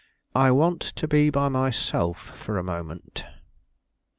I want to be by myself for a moment."